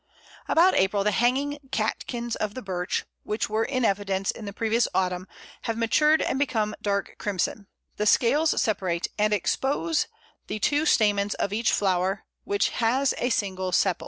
] About April the hanging catkins of the Birch, which were in evidence in the previous autumn, have matured and become dark crimson; the scales separate and expose the two stamens of each flower, which has a single sepal.